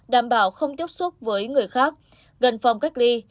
đảm bảo không tiếp xúc với người khác gần phòng cách ly